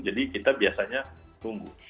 jadi kita biasanya tunggu